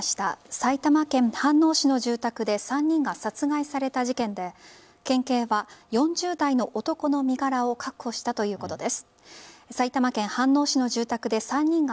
埼玉県飯能市の住宅で３人が殺害された事件で県警は４０代の男の身柄を確保したということです。